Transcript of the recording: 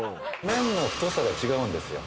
麺の太さが違うんですよ。